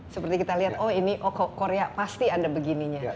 seperti kita lihat oh ini korea pasti ada begininya